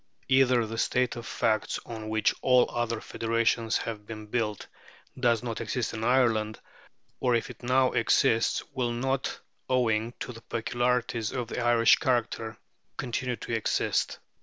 Either the state of facts on which all other federations have been built does not exist in Ireland, or if it now exists, will not, owing to the peculiarities of Irish character, continue to exist.